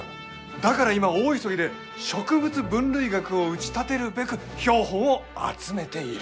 だから今大急ぎで植物分類学を打ち立てるべく標本を集めている。